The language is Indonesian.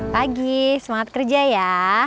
pagi semangat kerja ya